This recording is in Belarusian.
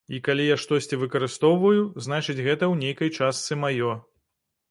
І калі я штосьці выкарыстоўваю, значыць гэта, ў нейкай частцы, маё.